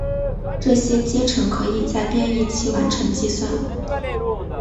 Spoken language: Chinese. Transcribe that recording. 这些阶乘可以在编译期完成计算。